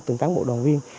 từng cán bộ đoàn viên